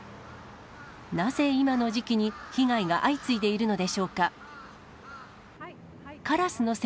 なぜ今の時期に被害が相次いでいるのでしょうか。